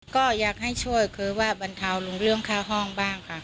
ก็อยากให้ช่วยคือว่าบรรเทาลงเรื่องค่าห้องบ้างค่ะ